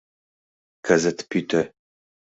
— Кызыт пӱтӧ.